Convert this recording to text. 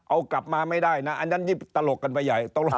เอากลับมาไม่ได้นะอันนั้นยิ่งตลกกันไปใหญ่